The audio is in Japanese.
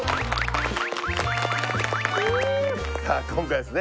フゥさあ今回ですね